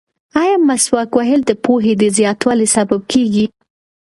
ایا مسواک وهل د پوهې د زیاتوالي سبب کیږي؟